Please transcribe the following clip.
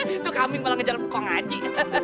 itu kambing malah ngejar bukong aji